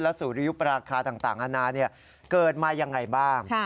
และสุริยุปราคาต่างอันนั้นเกิดมาอย่างไรบ้าง